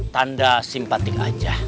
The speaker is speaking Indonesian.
tanda simpatik aja